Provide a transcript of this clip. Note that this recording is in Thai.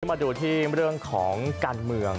มาดูที่เรื่องของการเมือง